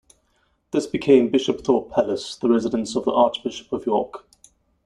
This became Bishopthorpe Palace, the residence of the Archbishop of York.